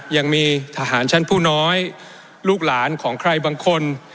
ยังมีทหารชั้นผู้น้อยลูกหลานของใครบางคน